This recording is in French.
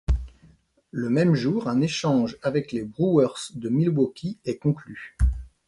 Le même jour, un échange avec les Brewers de Milwaukee est conclu.